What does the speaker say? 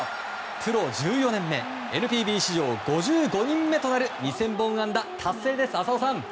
プロ１４年目ＮＰＢ史上５５人目となる２０００本安打達成です浅尾さん。